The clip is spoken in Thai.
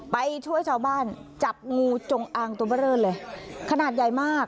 ไปช่วยชาวบ้านจับงูจงอางตัวเบอร์เลอร์เลยขนาดใหญ่มาก